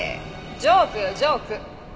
ジョークよジョーク。